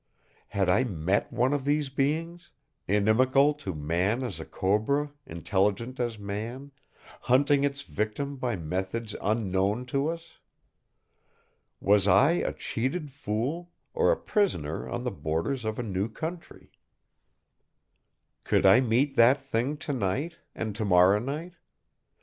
Had I met one of these beings, inimical to man as a cobra, intelligent as man, hunting Its victim by methods unknown to us? Was I a cheated fool, or a pioneer on the borders of a new country? Could I meet that Thing tonight, and tomorrow night?